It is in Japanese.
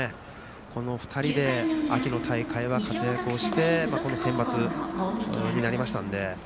この２人で秋の大会は活躍をしてこのセンバツになりましたので。